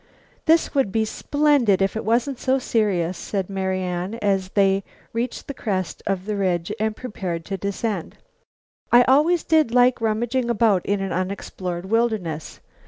"This would be splendid if it wasn't so serious," said Marian as they reached the crest of the ridge and prepared to descend. "I always did like rummaging about in an unexplored wilderness.